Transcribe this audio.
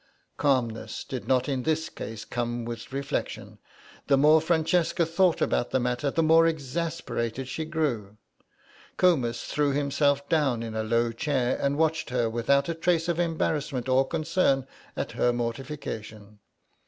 Calmness did not in this case come with reflection; the more Francesca thought about the matter, the more exasperated she grew. Comus threw himself down in a low chair and watched her without a trace of embarrassment or concern at her mortification.